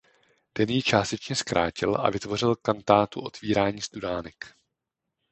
Ten ji částečně zkrátil a vytvořil kantátu Otvírání studánek.